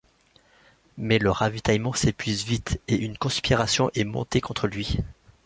Mais le ravitaillement s’épuise vite et une conspiration est montée contre lui.